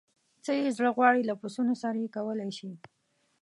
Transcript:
څه یې زړه غواړي له پسونو سره یې کولای شي.